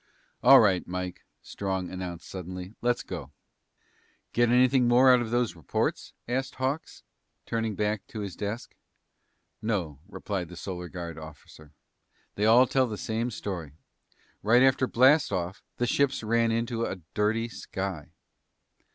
"All right, Mike," Strong announced suddenly. "Let's go." "Get anything more out of those reports?" asked Hawks, turning back to his desk. "No," replied the Solar Guard officer. "They all tell the same story. Right after blast off, the ships ran into a dirty sky."